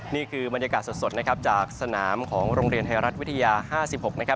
นี่คือบรรยากาศสดจากสนามของโรงเรียนไทยรัฐวิทยา๕๖